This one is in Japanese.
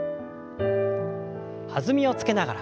弾みをつけながら。